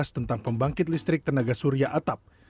tentang pembangkit listrik tenaga surya atap